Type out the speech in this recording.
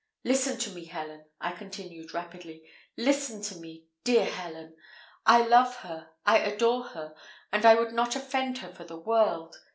"Listen to me, Helen," I continued, rapidly "listen to me, dear Helen I love her, I adore her, and I would not offend her for the world.